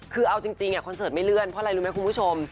คือเอาจริงคอนเสิร์ตไม่เลื่อนเพราะอะไรรู้ไหมคุณผู้ชม